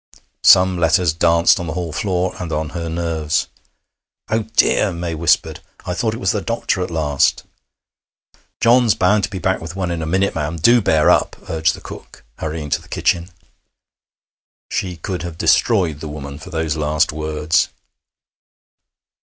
Some letters danced on the hall floor and on her nerves. 'Oh dear!' May whispered. 'I thought it was the doctor at last.' 'John's bound to be back with one in a minute, ma'am. Do bear up,' urged the cook, hurrying to the kitchen. She could have destroyed the woman for those last words.